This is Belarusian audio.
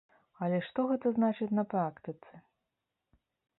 Але што гэта значыць на практыцы?